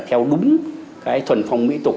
theo đúng cái thuần phong mỹ tục